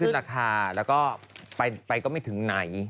ขึ้นราคาแล้วก็ไปก็ไม่ถึงไหน